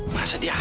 masa dia hamil sih